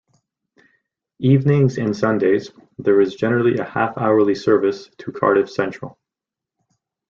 Evenings and Sundays, there is generally a half-hourly service to Cardiff Central.